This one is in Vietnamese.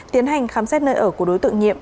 tiến hành khám xét nơi ở của đối tượng nhiệm